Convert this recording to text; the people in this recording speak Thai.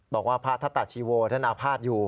บอกว่าพระทัตตาชีโวท่านอาภาษณ์อยู่